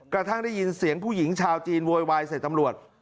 กระทั่งได้ยินเสียงผู้หญิงชาวจีนโวยวายใส่ตำรวจ